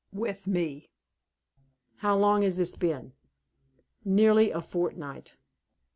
"With me." "How long has this been?" "Nearly a fortnight."